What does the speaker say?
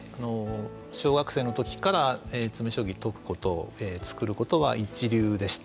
小学生のときから詰め将棋を解くこと作ることは一流でした。